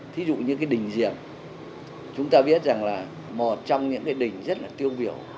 ví dụ như đình diệm chúng ta biết rằng là một trong những đình rất tiêu biểu